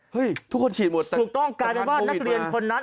เฮ้ยทุกคนฉีดหมดแต่ตรงนั้นโควิดมาถูกต้องการไม่ว่านักเรียนคนนั้น